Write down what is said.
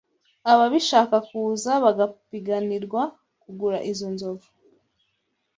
ababishaka kuza bagapiganirwa kugura izo nzovu